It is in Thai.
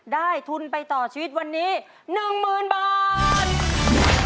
ได้ทุนไปต่อชีวิตวันนี้๑หมื่นบาท